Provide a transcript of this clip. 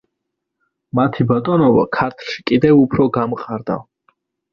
მათი ბატონობა ქართლში კიდევ უფრო გამყარდა.